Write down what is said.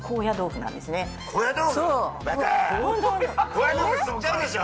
高野豆腐吸っちゃうでしょ？